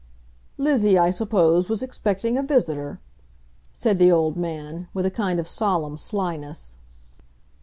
"Lizzie, I suppose, was expecting a visitor," said the old man, with a kind of solemn slyness.